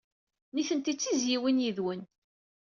Nitenti d tizzyiwin yid-wen.